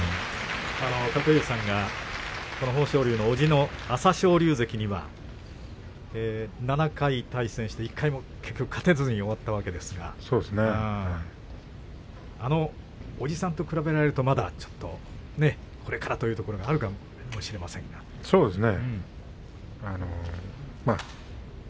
鶴竜さんが豊昇龍のおじの朝青龍関には７回対戦して結局１回も勝てずに終わったわけですがあのおじさんと比べられるとまだちょっとこれからというところもあるかもしれませんね。